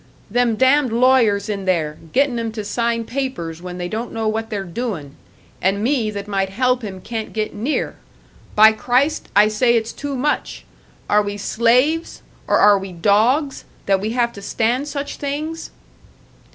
"Them damned lawyers in there gettin' 'em to sign papers when they don't know what they're doin'. An' me that might help him can't get near! By Christ, I say it's too much! Are we slaves, or are we dogs, that we have to stand such things?"